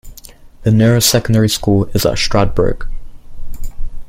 The nearest secondary school is at Stradbroke.